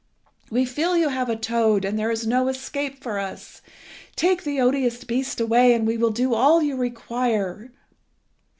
We feel you have a toad, and there is no escape for us. Take the odious beast away, and we will do all you require."